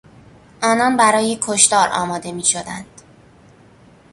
آنان برای کشتار آماده میشدند.